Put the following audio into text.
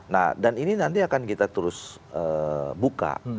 nah dan ini nanti akan kita terus buka